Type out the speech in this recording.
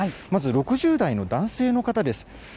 まず６０代の男性の方です。